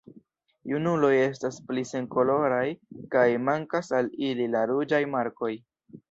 Junuloj estas pli senkoloraj kaj mankas al ili la ruĝaj markoj.